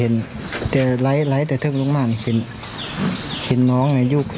นี่แหละน้อง